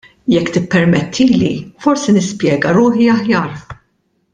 Jekk tippermettili, forsi nispjega ruħi aħjar.